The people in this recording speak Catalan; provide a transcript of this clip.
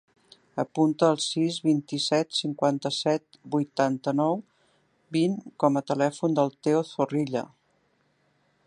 Apunta el sis, vint-i-set, cinquanta-set, vuitanta-nou, vint com a telèfon del Theo Zorrilla.